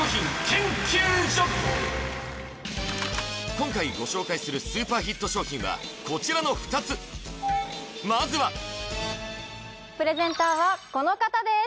今回ご紹介するスーパーヒット商品はこちらの２つまずはプレゼンターはこの方です